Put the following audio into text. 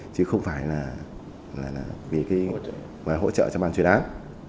chứ không phải là vì hỗ trợ cho ban chuyên án